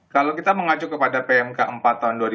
kalau kita mengacu kepada pmk empat tahun dua ribu dua